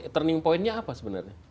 turning point nya apa sebenarnya